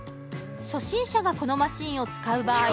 初心者がこのマシンを使う場合